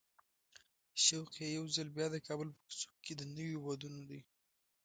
شوق یې یو ځل بیا د کابل په کوڅو کې د نویو وادونو دی.